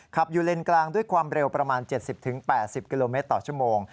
ขับอยู่เลนกลางด้วยความเร็วประมาณ๗๐๘๐กิโลเมตรต่อชั่วโมง